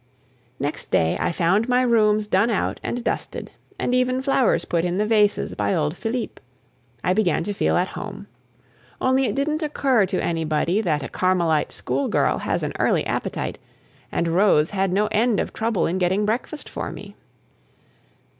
Next day I found my rooms done out and dusted, and even flowers put in the vases, by old Philippe. I began to feel at home. Only it didn't occur to anybody that a Carmelite schoolgirl has an early appetite, and Rose had no end of trouble in getting breakfast for me.